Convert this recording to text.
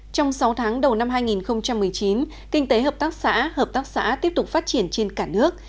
trong sáu tháng đầu năm hai nghìn một mươi chín kinh tế hợp tác xã hợp tác xã tiếp tục phát triển trên cả nước